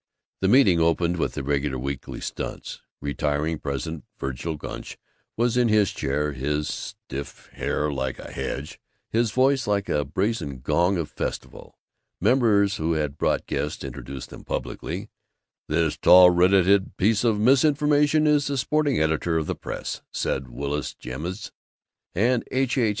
The meeting opened with the regular weekly "stunts." Retiring President Vergil Gunch was in the chair, his stiff hair like a hedge, his voice like a brazen gong of festival. Members who had brought guests introduced them publicly. "This tall red headed piece of misinformation is the sporting editor of the Press," said Willis Ijams; and H. H.